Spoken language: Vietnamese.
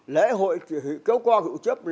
lễ hội kéo co hữu chấp